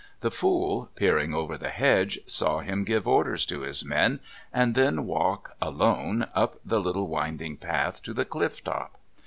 The fool, peering over the hedge, saw him give orders to his men, and then walk, alone, up the little winding path, to the cliff top.